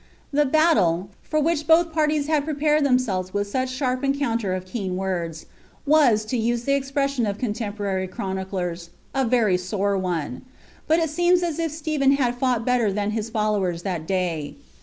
"' The btttile, for which both parties hod prepared ihetnsclvee with mi<t ■ sharp encounter of keen words, was. to use the eiipiession of contem porary chroniclers, " a very sore one ;" but it seems as if Stephen bad fought better than his followers that day.